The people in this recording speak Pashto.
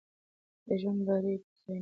د ژوند بار یو ځای یوسئ.